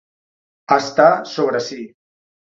Estar sobre si.